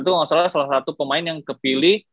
itu gak salah salah satu pemain yang kepilih